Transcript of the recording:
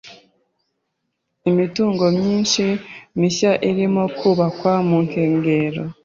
Imitungo myinshi mishya irimo kubakwa mu nkengero.